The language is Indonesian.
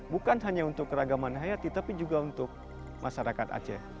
bukan hanya untuk keragaman hayati tapi juga untuk masyarakat aceh